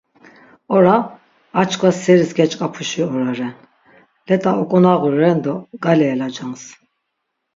Ora ar çkva seris geç̌ǩapuşi ora ren, let̆a ok̆onağureren do gale elacans.